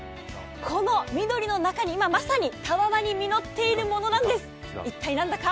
この緑の中に今まさにたわわに実っているものなんです。